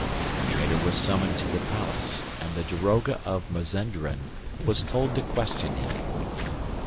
The trader was summoned to the palace and the daroga of Mazenderan was told to question him.